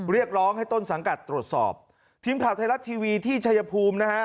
เรียกร้องให้ต้นสังกัดตรวจสอบทีมข่าวไทยรัฐทีวีที่ชายภูมินะฮะ